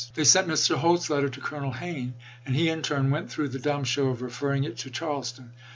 They sent Mr. Holt's letter to Colonel Hayne, and he in turn went through the dumb show of referring it to Charles ton.